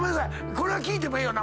これは聞いてもええよな？